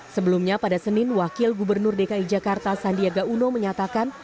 sebelumnya pada senin wakil gubernur dki jakarta sandiaga uno menyatakan